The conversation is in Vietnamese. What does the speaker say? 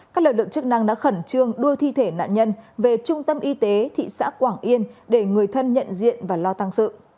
các lực lượng chức năng đã khẩn trương đua thi thể nạn nhân về trung tâm y tế thị xã quảng yên để người thân nhận diện và lo tăng sự